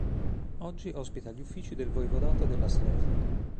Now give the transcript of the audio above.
Oggi ospita gli uffici del Voivodato della Slesia.